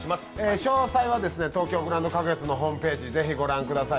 詳細は東京グランド花月のホームページを御覧ください。